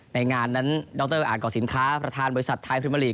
ในงานนั้นดรอาจก่อสินค้าประธานบริษัทไทยพรีเมอร์ลีก